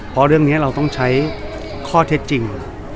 เพราะเรื่องนี้เราต้องใช้ข้อเท็จจริง